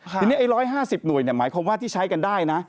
ทีนี้ไอ้๑๕๐หน่วยหมายความว่าที่ใช้กันได้นะ